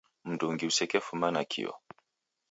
Mndungi usekefuma nakio.